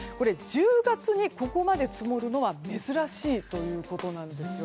１０月にここまで積もるのは珍しいということなんです。